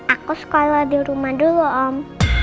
aku sekolah di rumah dulu om